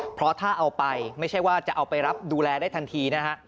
เพราะถ้าเอาไปไม่ใช่ว่าจะเอาไปรับดูแลได้ทันทีนะฮะ